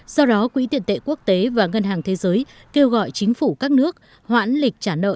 sau đó quỹ tiền tệ quốc tế và ngân hàng thế giới kêu gọi chính phủ các nước hoãn lịch trả nợ